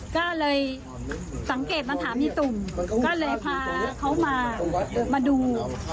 ก็เลยสังเกตมาถามอีตุ่มก็เลยพาเขามาดู